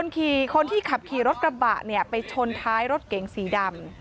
ขี่คนที่ขับขี่รถกระบะเนี่ยไปชนท้ายรถเก๋งสีดำ